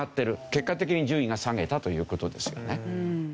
結果的に順位が下げたという事ですよね。